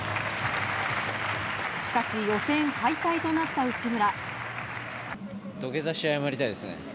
しかし予選敗退となった内村。